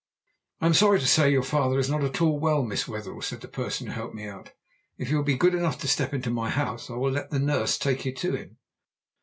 "'I am sorry to say your father is not at all well, Miss Wetherell,' said the person who helped me out. 'If you will be good enough to step into my house I will let the nurse take you to him.'